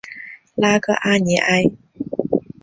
拉戈阿尼埃。